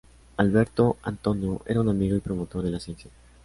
Alberto Antonio era un amigo y promotor de las ciencias.